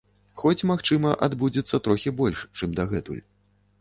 Хоць, магчыма, адбудзецца трохі больш, чым дагэтуль.